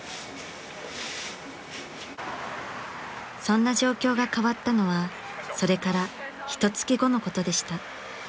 ［そんな状況が変わったのはそれからひと月後のことでした］